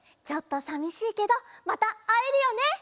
ちょっとさみしいけどまたあえるよね。